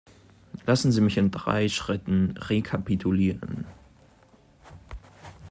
Lassen Sie mich in drei Schritten rekapitulieren.